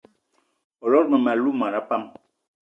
O lot mmem- alou mona pam?